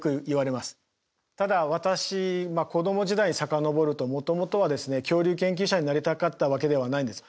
ただ私子供時代に遡るともともとはですね恐竜研究者になりたかったわけではないんです。